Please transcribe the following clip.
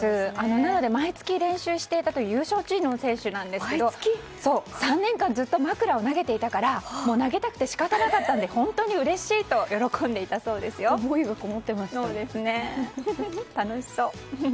なので毎月練習していたという優勝チームの選手なんですけど３年間ずっと枕を投げていたから投げたくて仕方なかったので本当にうれしいと思いがこもってました。